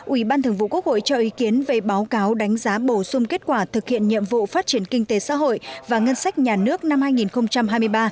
ủy ban thường vụ quốc hội cho ý kiến về báo cáo đánh giá bổ sung kết quả thực hiện nhiệm vụ phát triển kinh tế xã hội và ngân sách nhà nước năm hai nghìn hai mươi ba